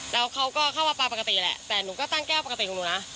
แล้วเขาก็เข้ามาปลาปกติแหละแต่หนูก็ตั้งแก้วปกติของหนูนะ